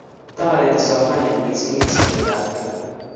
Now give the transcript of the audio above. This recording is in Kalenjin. Toriti somanet mising eng sobet ab kila